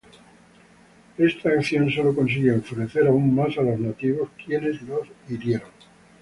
Esta acción solo consiguió enfurecer aún más a los nativos, quienes lo hirieron.